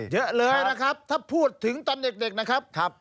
เยอะเลยนะครับถ้าพูดถึงตอนเด็กนะครับ